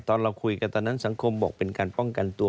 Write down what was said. เราคุยกันตอนนั้นสังคมบอกเป็นการป้องกันตัว